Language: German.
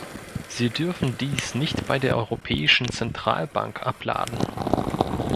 Sie dürfen dies nicht bei der Europäischen Zentralbank abladen.